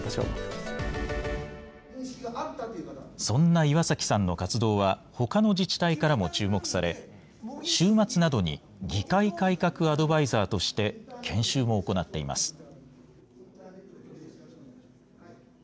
そんな岩崎さんの活動は、ほかの自治体からも注目され、週末などに、議会改革アドバイザーとして研修も行っています。